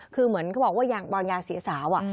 คือเหมือนเขาบอกว่าอย่างบางยาสีสาว